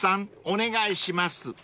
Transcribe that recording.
お願いします］